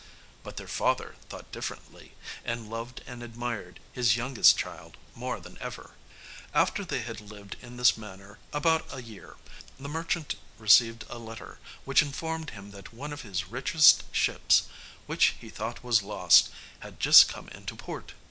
But their father thought differently, and loved and admired his youngest child more than ever. After they had lived in this manner about a year the merchant received a letter, which informed him that one of his richest ships, which he thought was lost, had just come into port.